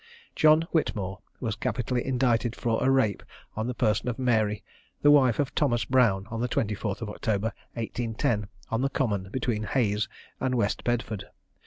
John Whitmore was capitally indicted for a rape on the person of Mary, the wife of Thomas Brown, on the 24th of October, 1810, on the Common between Hayes and West Bedford.